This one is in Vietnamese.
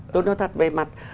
tôi nói thật về mặt